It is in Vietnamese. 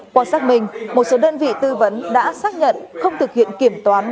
qua xác minh một số đơn vị tư vấn đã xác nhận không thực hiện kiểm toán